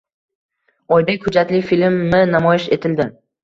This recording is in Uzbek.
«Oybek» hujjatli filmi namoyish etildi